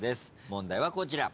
問題はこちら。